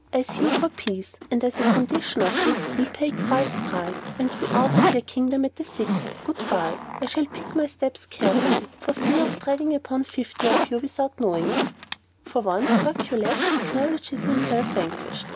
I sue for peace, and, as a condition of it, will take five strides, and be out of your kingdom at the sixth. Good bye. I shall pick my steps carefully, for fear of treading upon some fifty of you, without knowing it. Ha, ha, ha! Ho, ho, ho! For once, Hercules acknowledges himself vanquished."